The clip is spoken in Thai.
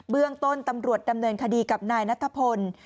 เรื่องต้นตำรวจดำเนินคดีกับนายนัทพล